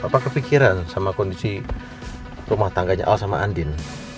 apa kepikiran sama kondisi rumah tangganya al sama andin